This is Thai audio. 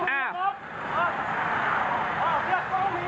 ไปกันดี